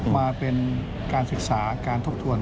มาเป็นการศึกษาการทบทวน